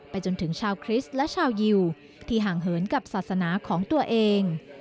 จนถึงชาวคริสต์และชาวยิวที่ห่างเหินกับศาสนาของตัวเอง